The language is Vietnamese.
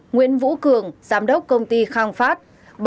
sáu nguyễn vũ cường giám đốc công ty khang phát